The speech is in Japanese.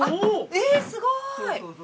えっすごい。